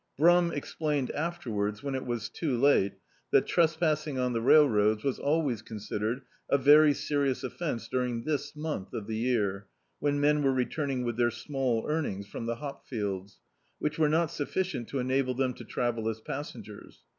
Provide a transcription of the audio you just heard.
. Brum explained afterwards, when it was too late, that trespassing on the railroads was always con sidered a very serious offence during this month of the year, when men were returning with their small earn ings from the hopfields; which were not sufRcient to enable them to travel as passengers.